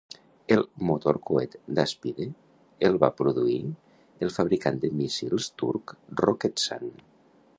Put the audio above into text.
El motor coet d"Aspide el va produir el fabricant de míssils turc Roketsan.